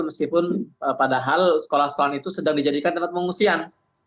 meskipun padahal sekolah sekolahan itu sedang dijadikan tempat pengungsian